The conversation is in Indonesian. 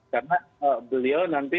karena beliau nanti